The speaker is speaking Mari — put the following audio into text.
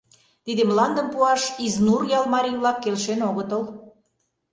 Тиде мландым пуаш Изнур ял марий-влак келшен огытыл.